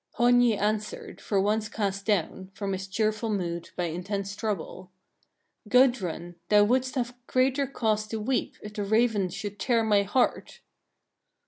10. Hogni answered, for once cast down, from his cheerful mood by intense trouble: "Gudrun! thou wouldst have greater cause to weep, if the ravens should tear my heart."